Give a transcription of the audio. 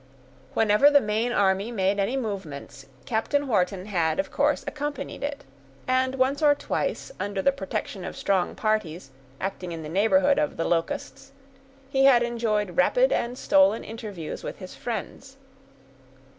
Whenever the main army made any movements, Captain Wharton had, of course, accompanied it; and once or twice, under the protection of strong parties, acting in the neighborhood of the Locusts, he had enjoyed rapid and stolen interviews with his friends.